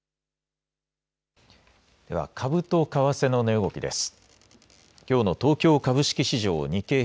では株と為替の値動きです。